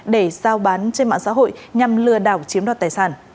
để giao bán trên mạng xã hội nhằm lừa đảo chiếm đoạt tài sản